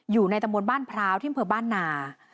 อยู่ในตำรวจบ้านพร้าวที่เมืองบ้านนา